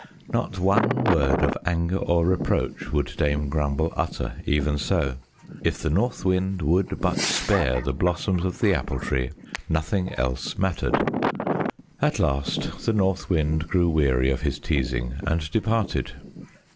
Not one word of anger or reproach would Dame Grumble utter, even so. If the North Wind would but spare the blossoms of the Apple Tree, nothing else mattered. At last the North Wind grew weary of his teasing and departed.